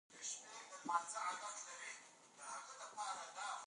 په افغانستان کې د چنګلونه تاریخ اوږد دی.